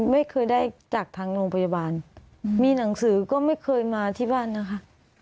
ไม่เคยได้จากทางโรงพยาบาลมีหนังสือก็ไม่เคยมาที่บ้านนะคะ